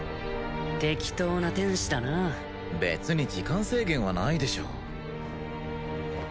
適当な天使だな別に時間制限はないでしょ